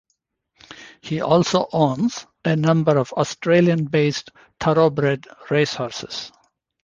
He also owns a number of Australian-based Thoroughbred racehorses.